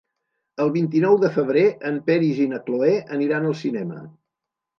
El vint-i-nou de febrer en Peris i na Cloè aniran al cinema.